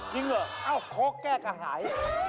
จริงเหรอว่าค่ะเอ้าโคกแก้กะหาย